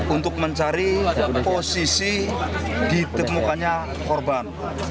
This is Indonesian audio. untuk mencari posisi ditemukannya korban